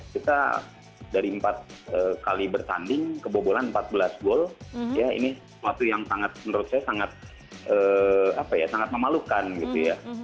kita dari empat kali bertanding kebobolan empat belas gol ya ini suatu yang sangat menurut saya sangat memalukan gitu ya